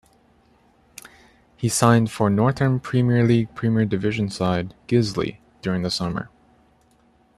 He signed for Northern Premier League Premier Division side Guiseley during the summer.